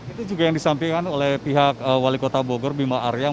itu juga yang disampaikan oleh pihak wali kota bogor bima arya